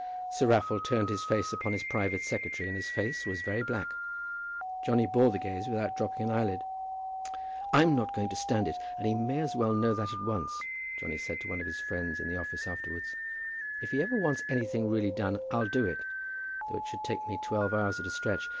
Sir Raffle turned his face upon his private secretary, and his face was very black. Johnny bore the gaze without dropping an eyelid. "I'm not going to stand it, and he may as well know that at once," Johnny said to one of his friends in the office afterwards. "If he ever wants any thing really done, I'll do it; though it should take me twelve hours at a stretch.